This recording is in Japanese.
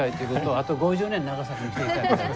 あと５０年長崎に来ていただきたいと。